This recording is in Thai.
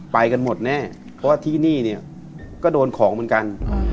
ไปกันหมดแน่เพราะว่าที่นี่เนี่ยก็โดนของเหมือนกัน